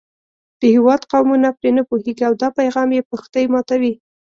د هېواد قومونه پرې نه پوهېږي او دا پیغام یې پښتۍ ماتوي.